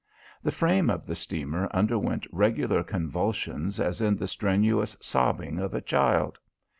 The frame of the steamer underwent regular convulsions as in the strenuous sobbing of a child.